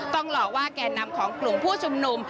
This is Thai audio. ต้องหลอกว่าแก่นำของกลุ่มผู้ชุมนุม